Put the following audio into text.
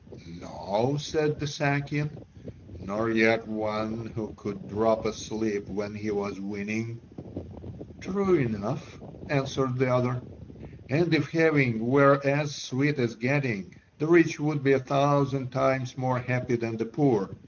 "No," said the Sakian, "nor yet one who could drop asleep when he was winning." "True enough," answered the other, "and if having were as sweet as getting, the rich would be a thousand times more happy than the poor.